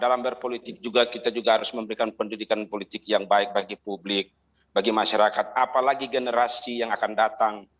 dalam berpolitik juga kita juga harus memberikan pendidikan politik yang baik bagi publik bagi masyarakat apalagi generasi yang akan datang